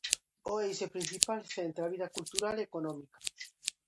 O eixe principal centra a vida cultural e económica.